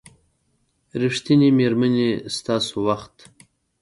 ریښتینې میرمنې ستاسو وخت